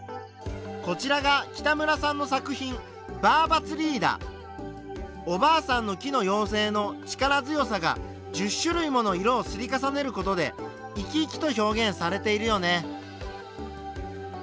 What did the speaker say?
こちらがおばあさんの木のよう精の力強さが１０種類もの色を刷り重ねる事で生き生きと表現されているよね。